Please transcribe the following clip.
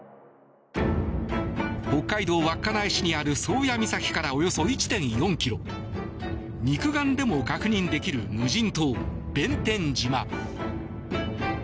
北海道稚内市にある宗谷岬からおよそ１．４ｋｍ肉眼でも確認できる無人島弁天島。